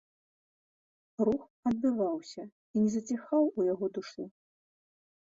Рух адбываўся і не заціхаў у яго душы.